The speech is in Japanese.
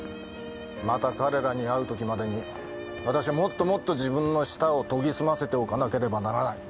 また彼らに会う時までに私はもっともっと自分の舌を研ぎ澄ませておかなければならない。